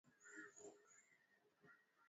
Nieleze kuhusu majibu yako